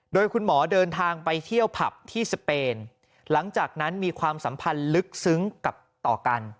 โดยคุณหมอเดินทางไปเที่ยวผับที่สเปนหลังจากนั้นมีความสัมพันธ์ลึกซึ้งกับต่อกัน